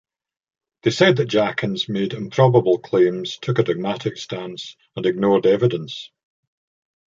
They said that Jackins made improbable claims, took a dogmatic stance and ignored evidence.